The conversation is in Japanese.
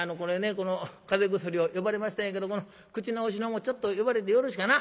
この風邪薬を呼ばれましたんやけど口直しのもちょっと呼ばれてよろしかな？